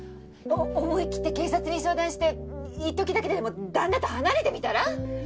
思いきって警察に相談していっときだけでも旦那と離れてみたら？